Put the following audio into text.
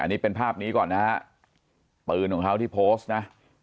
อันนี้เป็นภาพนี้ก่อนนะฮะปืนของเขาที่โพสต์นะ